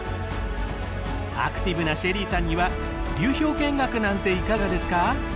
アクティブなＳＨＥＬＬＹさんには流氷見学なんていかがですか？